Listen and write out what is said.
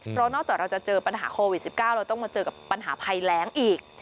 เพราะนอกจากเราจะเจอปัญหาโควิด๑๙เราต้องมาเจอกับปัญหาภัยแรงอีก